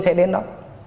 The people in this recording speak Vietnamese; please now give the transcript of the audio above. sẽ đến đó